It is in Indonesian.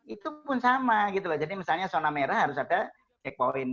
itu pun sama gitu jadi misalnya zona merah harus ada cek poin